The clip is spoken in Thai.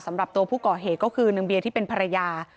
สำหรับตัวผู้ก่อเหตุก็คือนางเบียที่เป็นภรรยา